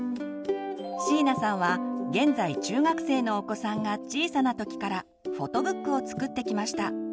椎名さんは現在中学生のお子さんが小さな時からフォトブックを作ってきました。